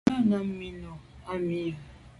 Nu nà i mi nu a num i mi.